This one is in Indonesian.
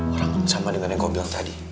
orang sama dengan yang kau bilang tadi